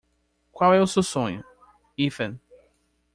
Qual é o seu sonho, Ethan?